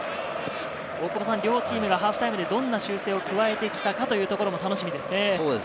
両チームがハーフタイムでどんな修正を加えて来たかというところも楽しみですね。